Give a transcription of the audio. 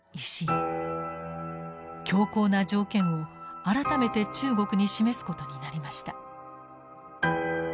強硬な条件を改めて中国に示すことになりました。